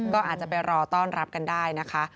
ก็อาจจะไปรอต้อนรับกันได้นะคะ